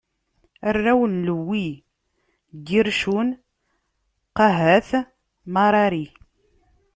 Arraw n Lewwi: Gircun, Qahat, Marari.